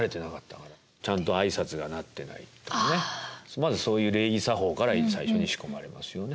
まずそういう礼儀作法から最初に仕込まれますよね。